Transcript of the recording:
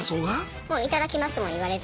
もう「いただきます」も言われず。